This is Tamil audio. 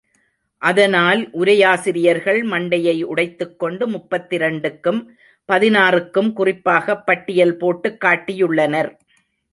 அதனால், உரையாசிரியர்கள் மண்டையை உண்டத்துக் கொண்டு, முப்பத்திரண்டுக்கும், பதினாறுக்கும் குறிப்பாகப் பட்டியல் போட்டுக் காட்டியுள்ளனர்.